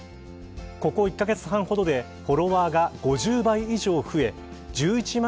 ここ１カ月半ほどでフォロワーが５０倍以上増え１１万